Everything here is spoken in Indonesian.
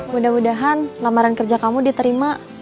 mudah mudahan lamaran kerja kamu diterima